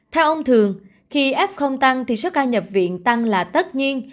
theo ông thường khi f tăng thì số ca nhập viện tăng là tất nhiên